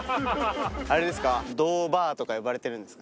あれですか？